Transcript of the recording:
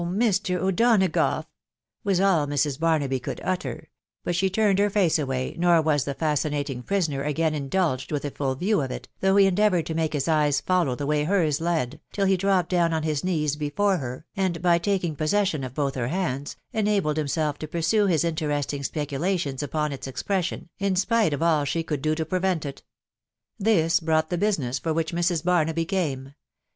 Mr. O'Donagough !*.... was all Mrs. Barnaby' could utter ; but she turned her face away, nor was the fas cinating prisoner again indulged with a full view of it, though he endeavoured to make his eyes follow the way hers led, till he dropped down on his knees before her, and by taking pos session of both her hands, enabled himself to pursue his in teresting speculations upon its expression, in spite of all she could do to prevent it. This brought the business for which Mrs. Barnaby came